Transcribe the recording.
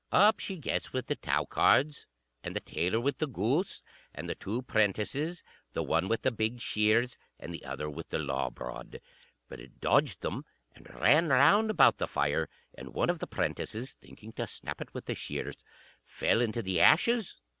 Up she gets with the tow cards and the tailor with the goose, and the two 'prentices, the one with the big shears, and the other with the lawbrod; but it dodged them, and ran round about the fire; and one of the 'prentices, thinking to snap it with the shears, fell into the ashes.